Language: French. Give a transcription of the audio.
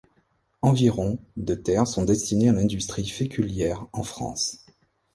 Environ de terre sont destinés à l'industrie féculière en France.